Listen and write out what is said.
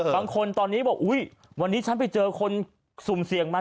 บางคนตอนนี้บอกอุ๊ยวันนี้ฉันไปเจอคนสุ่มเสี่ยงมา